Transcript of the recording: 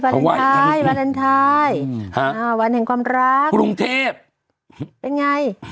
เลนไทยวาเลนไทยวันแห่งความรักกรุงเทพเป็นไง